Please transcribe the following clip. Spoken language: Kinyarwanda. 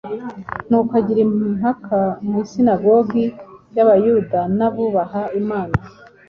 Nuko agira impaka mu isinagogi y’Abayuda n’abubaha Imana,